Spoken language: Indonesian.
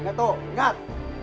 ingat tuh ingat